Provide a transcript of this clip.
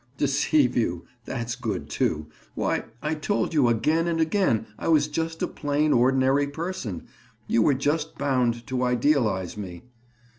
"Deceive you? That's good, too. Why, I told you again and again I was just a plain ordinary person. You were just bound to idealize me!"